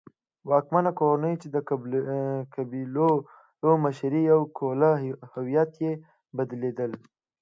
واکمنه کورنۍ چې د قبیلو مشري یې کوله هویت یې بدلېده.